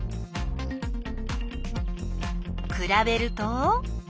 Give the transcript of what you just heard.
くらべると？